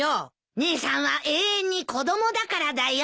姉さんは永遠に子供だからだよ。